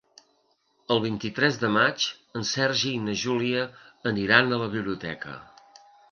El vint-i-tres de maig en Sergi i na Júlia aniran a la biblioteca.